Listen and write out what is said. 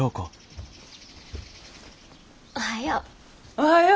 おはよう。